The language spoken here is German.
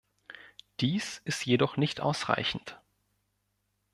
Dies ist jedoch nicht ausreichend.